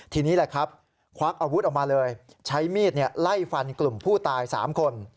ทีนี้แหละครับควักอาวุธออกมาเลยใช้มีดไล่ฟันกลุ่มผู้ตาย๓คน